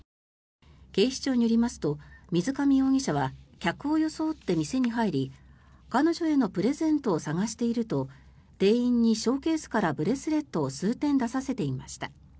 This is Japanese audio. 警視庁によりますと水上容疑者は客を装って店に入り彼女へのプレゼントを探していると店員にショーケースからブレスレットを数点出させていました。